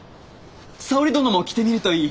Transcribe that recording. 沙織殿も着てみるといい。